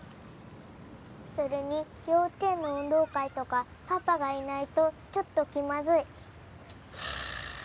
それに幼稚園の運動会とかパパがいないとちょっと気まずい。